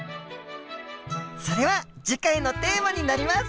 それは次回のテーマになります！